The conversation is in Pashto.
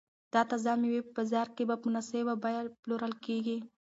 دا تازه مېوې په بازار کې په مناسبه بیه پلورل کیږي.